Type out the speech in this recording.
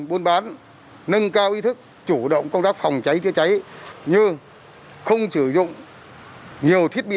buôn bán nâng cao ý thức chủ động công tác phòng cháy chữa cháy như không sử dụng nhiều thiết bị